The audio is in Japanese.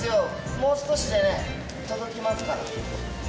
もう少しでね届きますから。